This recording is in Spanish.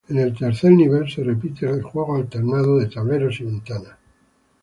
En el tercer nivel se repite el juego alternado de tableros y ventanas.